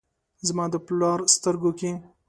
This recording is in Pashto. زما د پلار سترګو کې ،